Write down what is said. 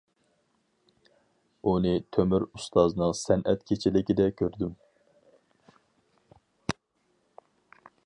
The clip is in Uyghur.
ئۇنى تۆمۈر ئۇستازنىڭ سەنئەت كېچىلىكىدە كۆردۈم.